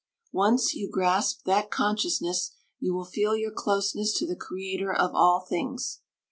Once you grasp that consciousness, you will feel your closeness to the Creator of all things.